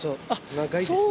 長いですね。